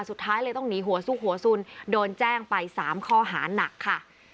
สุดท้ายเลยต้องหนีหัวซุกหัวสุนโดนแจ้งไป๓ข้อหานักค่ะ